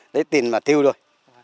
lấy tiền mà tiêu thôi